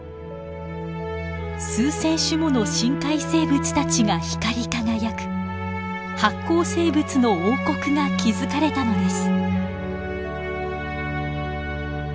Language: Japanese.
数千種もの深海生物たちが光り輝く発光生物の王国が築かれたのです。